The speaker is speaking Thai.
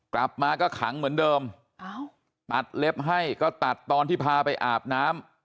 กลับมาก็ขังเหมือนเดิมตัดเล็บให้ก็ตัดตอนที่พาไปอาบน้ำ